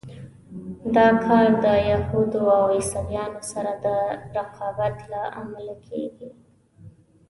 دا کار د یهودو او عیسویانو سره د رقابت له امله کېږي.